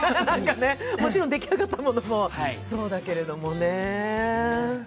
もちろん出来上がったものもそうだけれどもね。